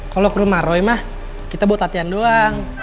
kalau ke rumah roy mah kita buat latihan doang